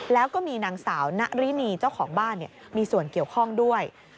แล้วก็มีนางสาวณรินีเจ้าของบ้านมีส่วนเกี่ยวข้องด้วย